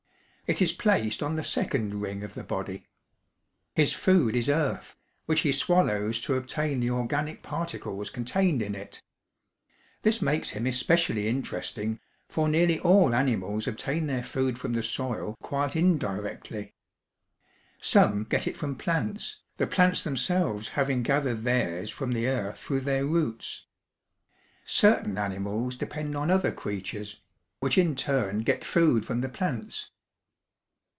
It is placed on the second ring of the body. His food is earth, which he swallows to obtain the organic particles contained in it. This makes him especially interesting, for nearly all animals obtain their food from the soil quite indirectly. Some get it from plants, the plants themselves having gathered theirs from the earth through their roots. Certain animals depend on other creatures, which in turn get food from the plants.